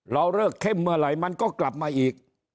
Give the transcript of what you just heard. เราเลิกเข้มเมื่อไหร่มันก็กลับมาอีก